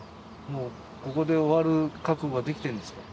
ここで終わる覚悟はできているんですか？